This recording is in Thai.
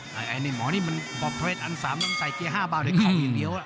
มีหมอนี่มันบอปเทรดอัน๓มันต้องใส่เกียร์๕บาลเดะของอย่างเดียว